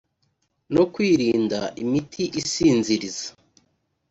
no kwirinda imiti isinziriza